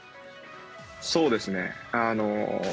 そうですね。